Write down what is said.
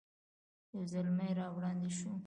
یو زلمی را وړاندې شو.